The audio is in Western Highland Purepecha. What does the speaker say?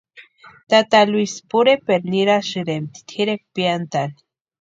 Tata Luisi pureperu nirasïrempti tʼirekwa piantani.